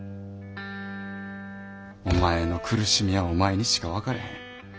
お前の苦しみはお前にしか分かれへん。